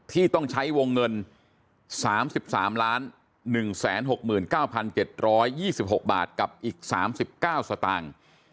ที่ต้องใช้วงเงิน๓๓๑๖๙๗๒๖บาทกับอีก๓๙สตางค์